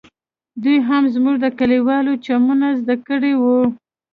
دوى هم زموږ د کليوالو چمونه زده کړي وو.